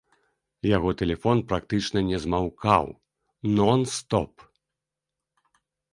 Яго тэлефон практычна не змаўкаў, нон-стоп!